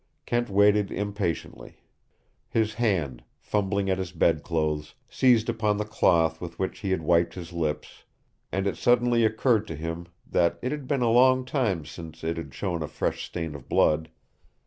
Kent waited impatiently. His hand, fumbling at his bedclothes, seized upon the cloth with which he had wiped his lips, and it suddenly occurred to him that it had been a long time since it had shown a fresh stain of blood.